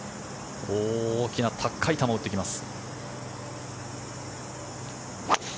大きな高い球を打ってきます。